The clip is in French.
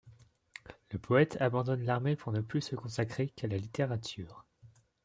Le poète abandonne l'armée pour ne plus se consacrer qu'à la littérature.